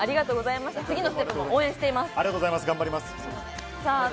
次のステップも応援しています。